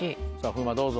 風磨どうぞ。